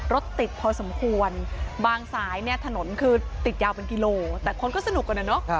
รถติดพอสมควรบางสายเนี่ยถนนคือติดยาวเป็นกิโลแต่คนก็สนุกกันนะเนอะ